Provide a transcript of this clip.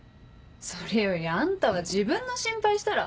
それよりあんたは自分の心配したら？